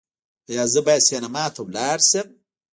ایا زه باید سینما ته لاړ شم؟